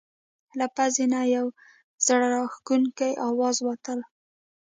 له پزې نه یو زړه راښکونکی اواز وتله.